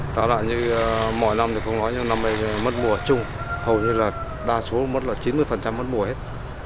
táo đại như mỗi năm thì không nói nhưng năm này mất mùa chung hầu như là đa số mất là chín mươi mất mùa hết